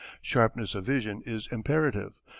Sharpness of vision is imperative.